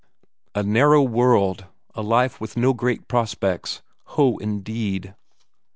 A narrow world, a life with no great prospects? Ho, indeed!